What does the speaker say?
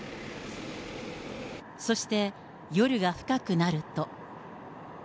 そして夜が深くなると。